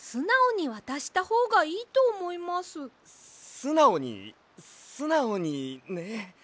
すなおにすなおにね。